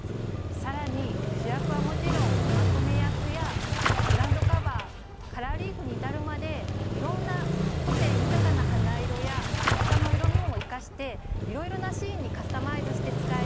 更に主役はもちろんまとめ役やグラウンドカバーカラーリーフに至るまでいろんな個性豊かな花色や葉っぱの色味も生かしていろいろなシーンにカスタマイズして使える。